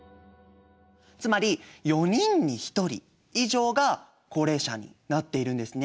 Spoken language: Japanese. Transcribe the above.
つまり４人に１人以上が高齢者になっているんですね。